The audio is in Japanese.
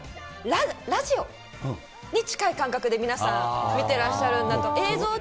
ラジオに近い感覚で、皆さん、見てらっしゃるんだと。